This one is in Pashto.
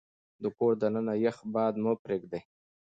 د کور دننه يخ باد مه پرېږدئ.